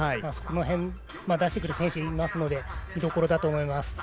その辺を出してくる選手がいますので見どころだと思います。